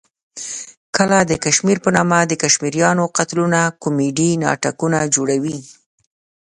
کله د کشمیر په نامه د کشمیریانو قتلونه کومیډي ناټکونه جوړوي.